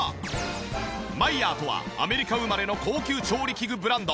マイヤーとはアメリカ生まれの高級調理器具ブランド。